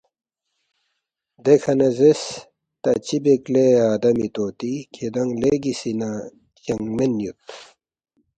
دیکھہ نہ زیرس، ”تا چِہ بیک لے آدمی طوطی کِھدانگ لیگسی نہ چنگمین یود